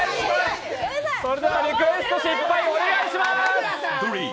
リクエスト失敗、お願いします。